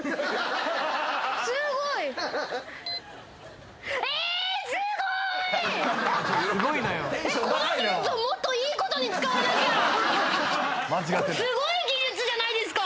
すごい！これすごい技術じゃないですか。